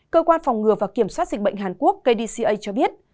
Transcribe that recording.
cơ quan phòng ngừa và kiểm soát dịch bệnh hàn quốc kdca cho biết